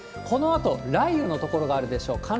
このあと、雷雨の所があるでしょう。